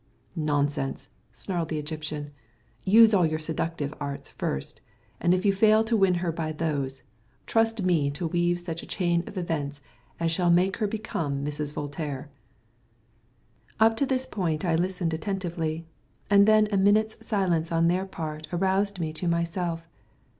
"Nonsense," snarled the Egyptian. "Use all your seductive arts first, and if you fail to win her by those, trust me to weave such a chain of events as shall make her become Mrs. Voltaire." Up to this point I listened attentively, and then a minute's silence on their part aroused me to myself.